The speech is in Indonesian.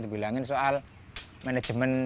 dibilangin soal manajemen